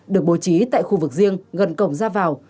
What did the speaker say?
được bố trí tại khu vực riêng gần cổng ra vào